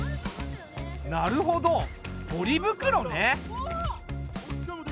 なるほどポリ袋ね。